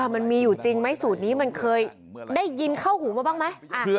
มันมีอยู่จริงไหมสูตรนี้มันเคยได้ยินเข้าหูมาบ้างไหม